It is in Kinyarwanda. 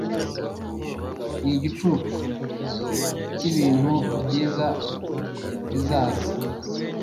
Ni igicucu cyibintu byiza bizaza